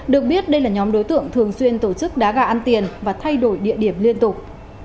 được biết đây là nhóm đối tượng thường xuyên tổ chức đá gà ăn tiền và thay đổi địa điểm liên tục